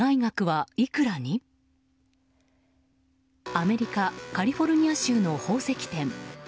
アメリカ・カリフォルニア州の宝石店。